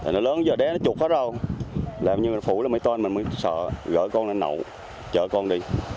nó lớn giờ đé nó chụp hết rồi làm như nó phủ là mấy ton mình mới sợ gỡ con lên nậu chở con đi